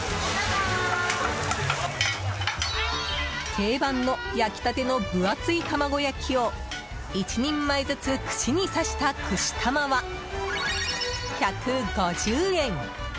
定番の焼きたての分厚い卵焼きを１人前ずつ串に刺した串玉は、１５０円。